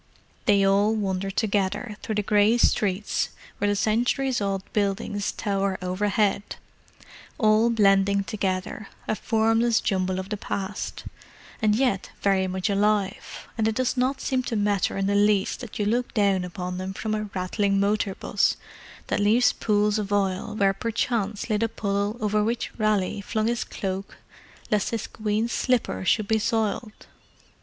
They all wander together through the grey streets where the centuries old buildings tower overhead: all blending together, a formless jumble of the Past, and yet very much alive: and it does not seem to matter in the least that you look down upon them from a rattling motor 'bus that leaves pools of oil where perchance lay the puddle over which Raleigh flung his cloak lest his queen's slipper should be soiled.